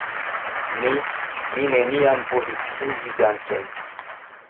Mi, mi neniam povis uzi gantojn.